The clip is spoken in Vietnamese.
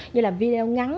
như là video ngắn